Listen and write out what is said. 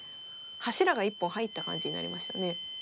柱が１本入った感じになりましたね。